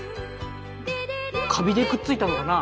カビでくっついたのかな？